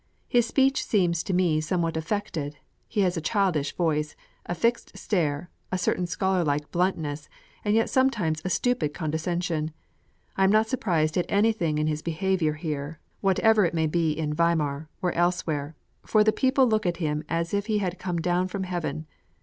His speech seems to me somewhat affected; he has a childish voice a fixed stare a certain scholarlike bluntness, and yet sometimes a stupid condescension. I am not surprised at anything in his behaviour here, whatever it may be in Weimar MANNHEIM. (404) or elsewhere, for the people look at him as if he had come down from heaven.